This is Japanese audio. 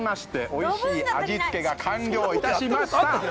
◆おいしい味つけが完了いたしました。